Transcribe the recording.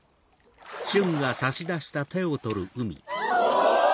お！